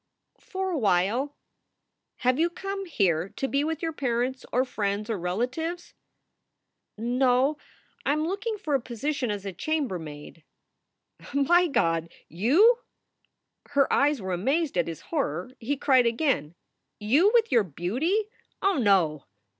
"For a while." "Have you come here to be with your parents or friends or relatives?" "No. I m looking for a position as a chambermaid." "My God! You!" Her eyes were amazed at his horror. He cried, again: "You with your beauty! Oh no!"